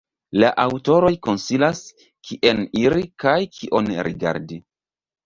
La aŭtoroj konsilas, kien iri kaj kion rigardi.